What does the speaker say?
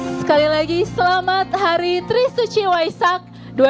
sekali lagi selamat hari trisuci waisak